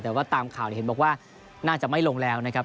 แต่ว่าตามข่าวเห็นบอกว่าน่าจะไม่ลงแล้วนะครับ